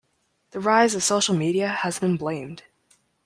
The rise of social media has been blamed.